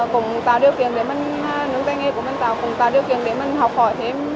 cũng tạo điều kiện để mình học hỏi thêm